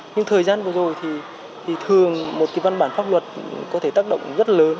nhưng thời gian vừa rồi thì thường một cái văn bản pháp luật có thể tác động rất lớn